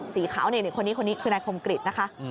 สีขาวคนนี้คือนายโครมกิตนะคะ